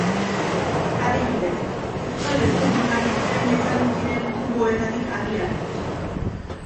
Adibidez, euskal eskulturan hain ezagun ziren kuboetatik abiatuz.